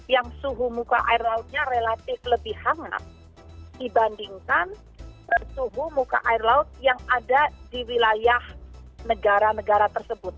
yang suhu muka air lautnya relatif lebih hangat dibandingkan suhu muka air laut yang ada di wilayah negara negara tersebut